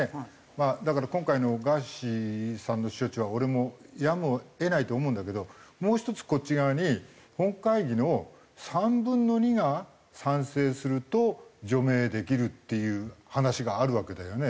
まあだから今回のガーシーさんの処置は俺もやむを得ないと思うんだけどもう１つこっち側に本会議の３分の２が賛成すると除名できるっていう話があるわけだよね。